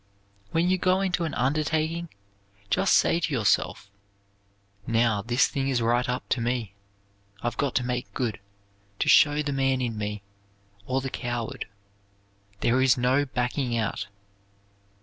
When you go into an undertaking just say to yourself, "Now, this thing is right up to me. I've got to make good, to show the man in me or the coward. There is no backing out."